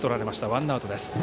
ワンアウトです。